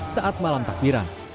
saat malam takbiran